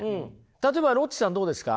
例えばロッチさんどうですか？